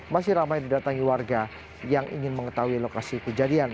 masih ramai didatangi warga yang ingin mengetahui lokasi kejadian